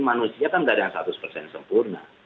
manusia kan gak ada yang seratus sempurna